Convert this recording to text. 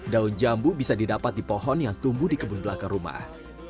daun jambu bisa didapat di pohon yang tumbuh di kebun belakang rumah